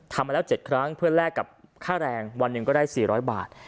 มาแล้ว๗ครั้งเพื่อแลกกับค่าแรงวันหนึ่งก็ได้๔๐๐บาท